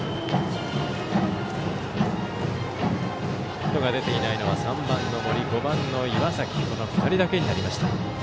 ヒットが出ていないのは３番の森５番の岩崎の２人だけになりました。